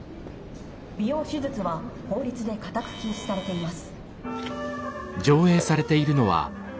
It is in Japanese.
美容手術は法律で固く禁止されています」。